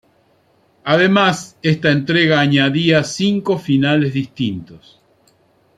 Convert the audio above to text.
Además, esta entrega añadía cinco finales distintos.